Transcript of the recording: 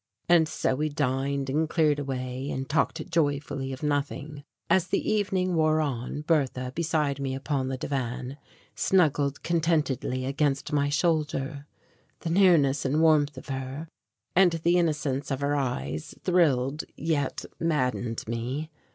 And so we dined and cleared away, and talked joyfully of nothing. As the evening wore on Bertha, beside me upon the divan, snuggled contentedly against my shoulder. The nearness and warmth of her, and the innocence of her eyes thrilled yet maddened me.